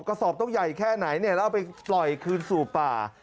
กระสอบต้องใหญ่แค่ไหนเนี่ยแล้วเอาไปปล่อยคืนสู่ป่า